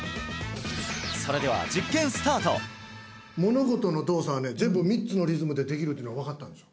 それでは物事の動作はね全部３つのリズムでできるっていうのが分かったんですよ